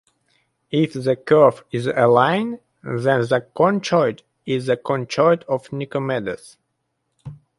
If the curve is a line, then the conchoid is the "conchoid of Nicomedes".